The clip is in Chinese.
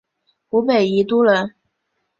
湖北宜都人。